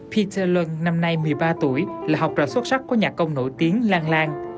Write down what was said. peter lund năm nay một mươi ba tuổi là học trò xuất sắc của nhạc công nổi tiếng lang lang